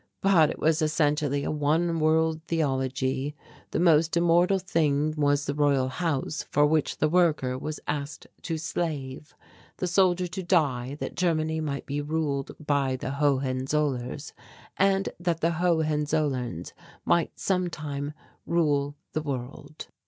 But it was essentially a one world theology; the most immortal thing was the Royal House for which the worker was asked to slave, the soldier to die that Germany might be ruled by the Hohenzollerns and that the Hohenzollerns might sometime rule the world.